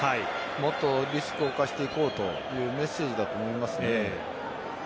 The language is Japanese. もっとリスクを冒していこうというメッセージだと思います。